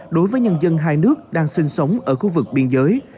đối với nhân dân hai nước đang sinh sống ở khu vực biên giới